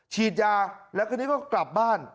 ฉีดยาแล้วทีนี้ก็กลับบ้าน